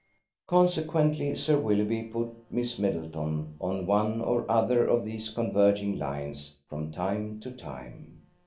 Consequently Sir Willoughby put Miss Middleton on one or other of these converging lines from time to time.